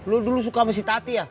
lu dulu suka sama si tati ya